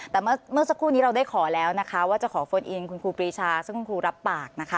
แต่เมื่อสักครู่นี้เราได้ขอแล้วนะคะว่าจะขอโฟนอินคุณครูปรีชาซึ่งคุณครูรับปากนะคะ